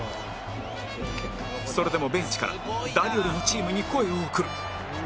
それでもベンチから誰よりもチームに声を送る